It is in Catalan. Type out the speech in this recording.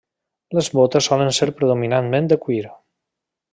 Les botes solen ser predominantment de cuir.